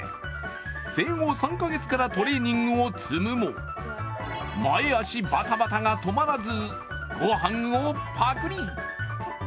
生後３か月からトレーニングを積むも前足バタバタが止まらずごはんをパクリ。